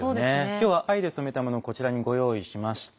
今日は藍で染めたものをこちらにご用意しました。